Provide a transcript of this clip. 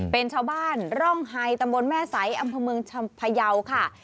เป็นชาวบ้านร่องไฮตำบนแม่ไสอัมพมือพยาวค่ะ